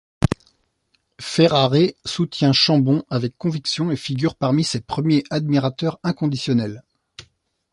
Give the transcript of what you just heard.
Ferrare soutient Chambon avec conviction et figure parmi ses premiers admirateurs inconditionnels.